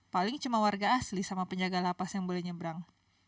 paling cuma warga asli sama penjaga lapas yang boleh nyebrang